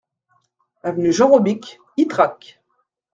Avenue Jean Robic, Ytrac